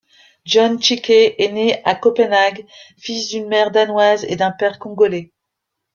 John Tchicai est né à Copenhague, fils d'une mère danoise et d'un père congolais.